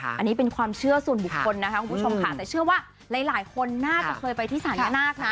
อันนี้เป็นความเชื่อส่วนบุคคลนะคะคุณผู้ชมค่ะแต่เชื่อว่าหลายคนน่าจะเคยไปที่ศาลแม่นาคนะ